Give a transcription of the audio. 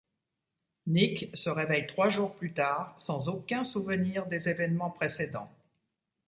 Nick se réveille trois jours plus tard, sans aucun souvenir des évènements précédents.